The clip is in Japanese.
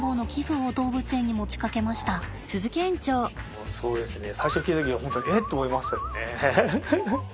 もうそうですね。